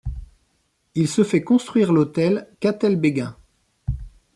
Il se fait construire l'hôtel Catel-Béghin.